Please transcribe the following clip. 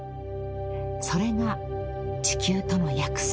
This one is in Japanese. ［それが地球との約束］